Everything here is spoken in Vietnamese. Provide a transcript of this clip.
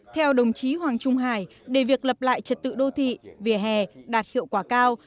theo đồng chí hoàng trung hải để việc lập lại trật tự đô thị vỉa hè đạt hiệu quả cao